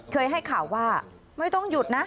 ให้ข่าวว่าไม่ต้องหยุดนะ